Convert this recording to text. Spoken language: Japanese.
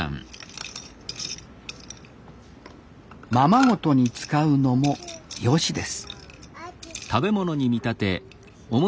ままごとに使うのもヨシです